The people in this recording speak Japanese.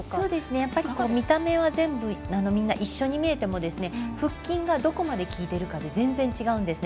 やっぱり見た目は全部みんな一緒に見えても腹筋がどこまで効いているかで全然違うんですね。